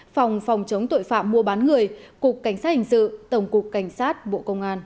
phòng phòng chống tội phạm mua bán người cục cảnh sát hình sự tổng cục cảnh sát bộ công an